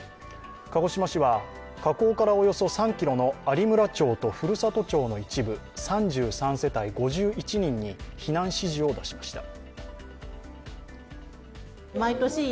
鹿児島市は、火口からおよそ３ｋｍの有村町と古里町の一部、３３世帯５１人に避難指示を出しました。